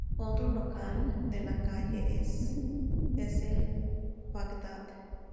Otro local de la calle es el Bagdad.